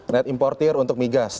net importer untuk migas